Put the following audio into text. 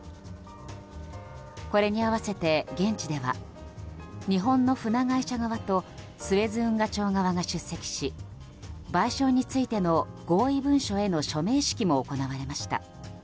これに合わせて、現地では日本の船会社側とスエズ運河庁側が出席し賠償についての合意文書への署名式も行われました。